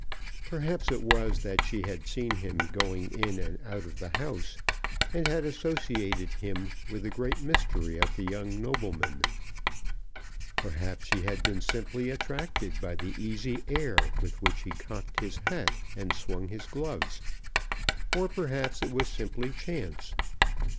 Perhaps it was that she had seen him going in and out of the house, and had associated him with the great mystery of the young nobleman; perhaps she had been simply attracted by the easy air with which he cocked his hat and swung his gloves; or, perhaps it was simply chance.